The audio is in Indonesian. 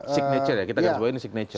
signature ya kita gak sebuah ini signature